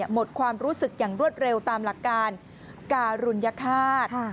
หมดความรู้สึกอย่างรวดเร็วตามหลักการการุญฆาต